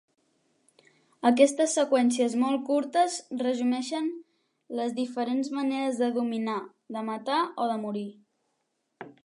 Aquestes seqüències molt curtes resumeixen les diferents maneres de dominar, de matar o de morir.